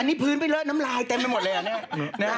อันนี้พื้นไปเลอะน้ำลายเต็มไปหมดเลยอ่ะเนี่ย